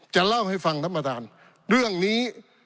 จะเล่าให้ฟังท่านประธานเรื่องนี้